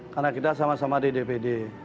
karena kita sama sama di dpd